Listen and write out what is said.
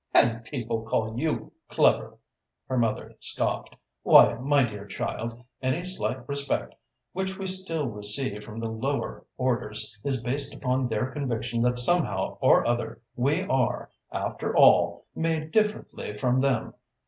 "And people call you clever!" her mother scoffed. "Why, my dear child, any slight respect which we still receive from the lower orders is based upon their conviction that somehow or other we are, after all, made differently from them.